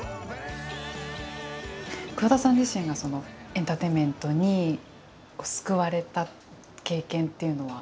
桑田さん自身がエンターテインメントに救われた経験というのは？